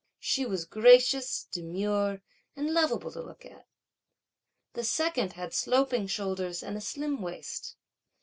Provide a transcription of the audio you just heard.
She was gracious, demure, and lovable to look at. The second had sloping shoulders, and a slim waist.